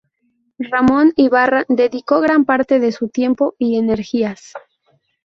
Ramón Ibarra dedicó gran parte de su tiempo y energías.